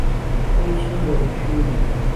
وەی چنوورە و چنووری